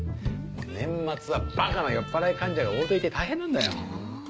年末はバカな酔っぱらい患者が大勢いて大変なんだよ。